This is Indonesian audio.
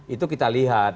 itu kita lihat